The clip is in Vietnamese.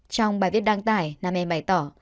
trong bài viết đăng tải nam em bày tỏ